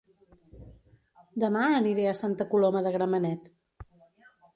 Dema aniré a Santa Coloma de Gramenet